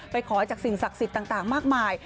ขอจากสิ่งศักดิ์สิทธิ์ต่างมากมาย